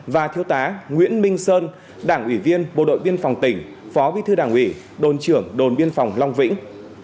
và thiếu tá nguyễn minh sơn đảng ủy viên bộ đội biên phòng tỉnh phó bí thư đảng ủy đồn trưởng đồn biên phòng long vĩnh